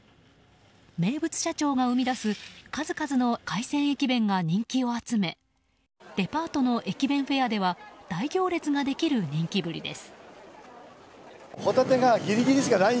名物社長が生み出す数々の海鮮駅弁が人気を集めデパートの駅弁フェアでは大行列ができる人気ぶりです。